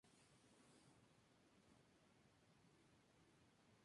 Fue presidente del grupo de Electroquímica de la Real Sociedad Española de Química.